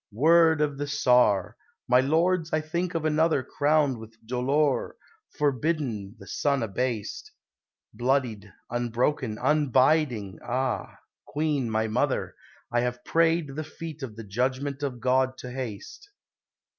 Word of the Tsar! My lords, I think of another Crowned with dolour, forbidden the sun abased, Bloodied, unbroken, abiding Ah! Queen, my Mother, I have prayed the feet of the Judgment of God to haste.